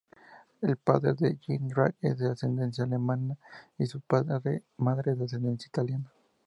El padre de Jindrak es de ascendencia alemana y su madre de ascendencia italiana.